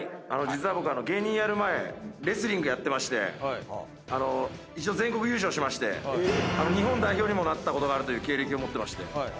実は僕芸人やる前レスリングやってまして一応全国優勝しまして日本代表にもなったことがあるという経歴を持ってまして。